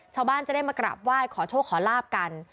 ชาวบ้านจะได้มากราบไหว้ขอโชคขอลาบกัน